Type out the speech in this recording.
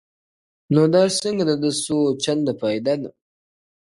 • نو دا څنکه د ده څو چنده فایده ده..